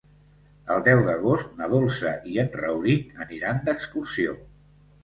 El deu d'agost na Dolça i en Rauric aniran d'excursió.